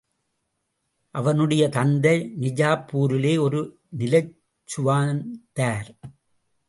அவனுடைய தந்தை நிஜாப்பூரிலே ஒரு நிலச்சுவான்தார்.